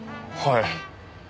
はい。